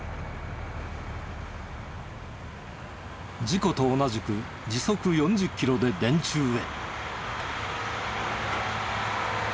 事故と同じく時速４０キロで電柱へ。